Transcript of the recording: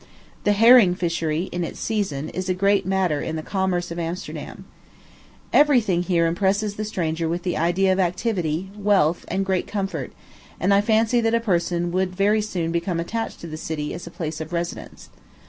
The herring fishery, in its season, is a great matter in the commerce of Amsterdam. Every thing here impresses the stranger with the idea of activity, wealth, and great comfort; and I fancy that a person would very soon become attached to the city as a place of residence.